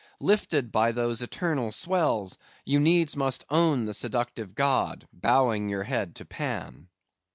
Lifted by those eternal swells, you needs must own the seductive god, bowing your head to Pan.